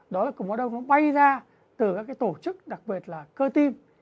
đó là cục máu đông nó bay ra từ các cái tổ chức đặc biệt là cơ tim